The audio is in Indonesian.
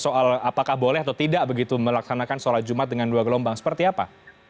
soal apakah boleh atau tidak begitu melaksanakan sholat jumat dengan dua gelombang seperti apa